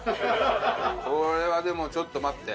これはでもちょっと待って。